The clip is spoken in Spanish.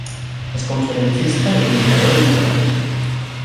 Es conferencista y comunicadora integral.